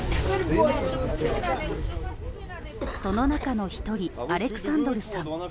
その中の１人、アレクサンドルさん。